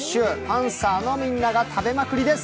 パンサーのみんなが食べまくりです。